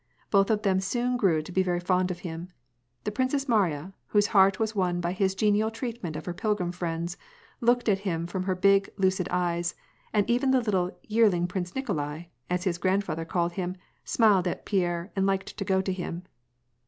Both of them soon grew to be very fond of him. The Princess Mariya, whose heart was won by his genial treatment of her pilgrim friends, looked at him from her big, lucid eyes, and even the little " yearling Prince Nikolai," as his grandfather called him, smiled at Pierre and liked to go to him.